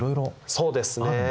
そうですね。